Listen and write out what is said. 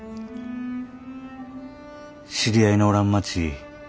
知り合いのおらん街